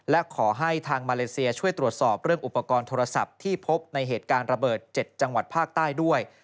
และขอให้ทางมาเลเซียช่วยตรวจสอบเรื่องอุปกรณ์โทรศัพท์ที่พบในเหตุการณ์ระเบิด๗จังหวัดภาคใต้ด้วย